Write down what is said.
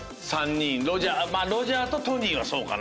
まあロジャーとトニーはそうかな。